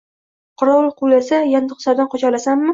Qorovul quvlasa, yantoqzordan qocha olasanmi?